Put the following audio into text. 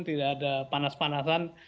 tidak ada panas panasan